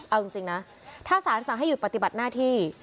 เอาจริงนะถ้าสารสั่งให้หยุดปฏิบัติหน้าที่